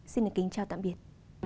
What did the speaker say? xin kính chào tạm biệt